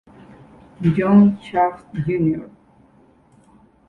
John Shaft Jr.